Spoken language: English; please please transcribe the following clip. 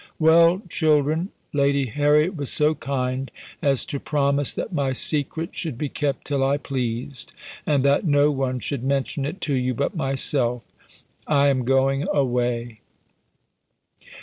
"Well, children! Lady Harriet was so kind as to promise that my secret should be kept till I pleased, and that no one should mention it to you but myself. I am going away!"